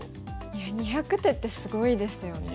いや２００手ってすごいですよね。